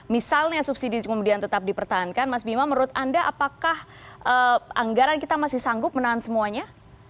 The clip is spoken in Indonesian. misalnya subsidi kemudian tetap dipertahankan mas bima menurut anda apakah anggaran kita masih sanggup menahan semuanya